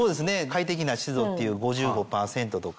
快適な湿度っていう５５％とか。